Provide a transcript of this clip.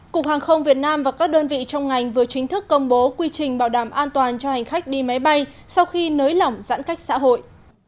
cục hàng không việt nam và các đơn vị trong ngành vừa chính thức công bố quy trình bảo đảm an toàn cho hành khách đi máy bay sau khi nới lỏng giãn cách xã hội